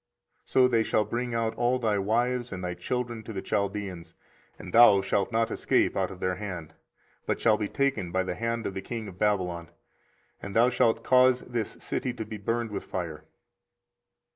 24:038:023 So they shall bring out all thy wives and thy children to the Chaldeans: and thou shalt not escape out of their hand, but shalt be taken by the hand of the king of Babylon: and thou shalt cause this city to be burned with fire.